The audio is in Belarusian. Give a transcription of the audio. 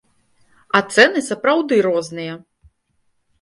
А цэны сапраўды розныя.